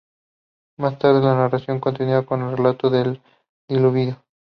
Más tarde, la narración continúa con el relato del diluvio.